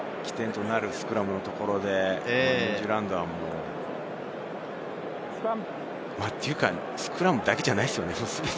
攻撃の起点となるスクラムのところで、ニュージーランドはスクラムだけじゃないですね。